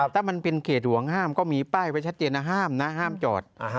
ถ้ามันเป็นเขตห่วงห้ามก็มีป้ายไว้ชัดเจนนะห้ามนะห้ามจอด